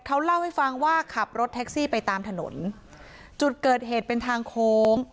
เขาเล่าให้ฟังว่าขับรถแท็กซี่ไปตามถนนจุดเกิดเหตุเป็นทางโค้ง